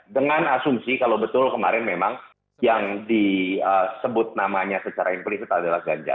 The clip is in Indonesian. dengan asumsi kalau betul kemarin memang yang disebut namanya secara implisit adalah ganjar